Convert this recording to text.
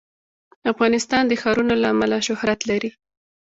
افغانستان د ښارونه له امله شهرت لري.